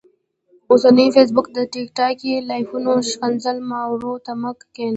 اوسنيو فيسبوکي ټیک ټاکي لايفونو ښکنځل مارو ته مه کينه